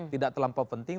tidak terlampau penting